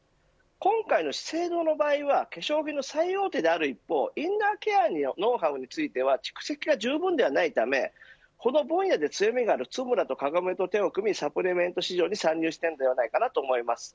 今回の資生堂の場合は化粧品最大手である一方インナーケアについてのノウハウは蓄積がじゅうぶんでないためこの分野で強みがあるツムラとカゴメと手を組みサプリメント市場に参入したのではないかと思います。